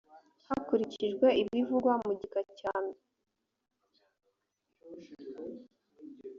hakurikijwe ibivugwa mu gika cya